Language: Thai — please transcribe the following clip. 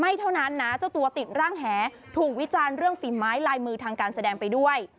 เท่านั้นนะเจ้าตัวติดร่างแหถูกวิจารณ์เรื่องฝีไม้ลายมือทางการแสดงไปด้วย